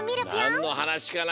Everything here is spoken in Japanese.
なんのはなしかな。